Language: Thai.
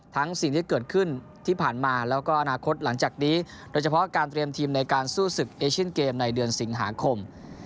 สิ่งที่เกิดขึ้นที่ผ่านมาแล้วก็อนาคตหลังจากนี้โดยเฉพาะการเตรียมทีมในการสู้ศึกเอเชียนเกมในเดือนสิงหาคม